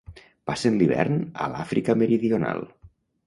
Passen l'hivern a l'Àfrica Meridional.